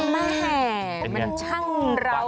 แหมมันช่างเรา